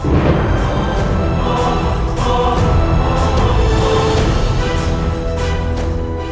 tunggu kisah nak